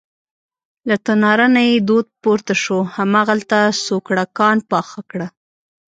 له تناره نه یې دود پورته شو، هماغلته سوکړکان پاخه کړه.